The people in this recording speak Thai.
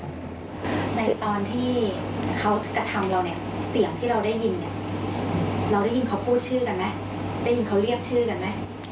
แต่ตอนที่เขากระทำเราเนี่ยเสียงที่เราได้ยินเนี่ยเราได้ยินเขาพูดชื่อกันไหมได้ยินเขาเรียกชื่อกันไหม